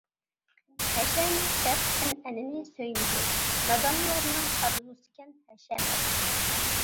ھەشەمەت دەپ ئەنئەنىنى سۆيمىدى، نادانلارنىڭ ئارزۇسىكەن ھەشەمەت.